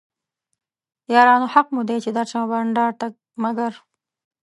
یارانو حق مو دی چې درشمه بنډار ته مګر